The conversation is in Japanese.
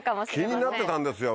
気になってたんですよ